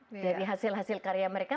dari hasil hasil karya mereka